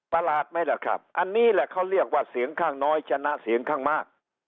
ประหลาดไหมล่ะครับอันนี้แหละเขาเรียกว่าเสียงข้างน้อยชนะเสียงข้างมาก